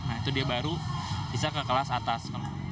nah itu dia baru bisa ke kelas atas